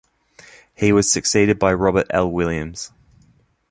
He was succeeded by Robert L. Williams.